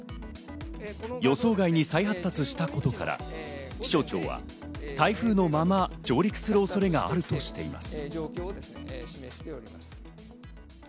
予想外に再発達したことから、気象庁は台風のまま上陸する恐れがあるとしています。